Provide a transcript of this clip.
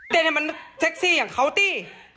เต้นให้มันเซ็กซี่อย่างเขาสิ